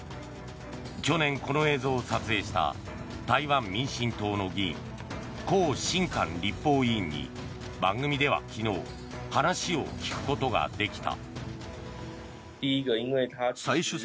去年、この映像を撮影した台湾民進党の議員コウ・シンカン立法委員に番組では昨日話を聞くことができた。